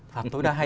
phạt tối đa hai tỷ